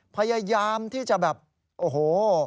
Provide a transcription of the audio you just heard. พยายามที่จะแบบโอ้โห